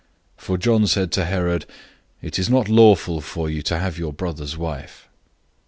006:018 For John said to Herod, "It is not lawful for you to have your brother's wife."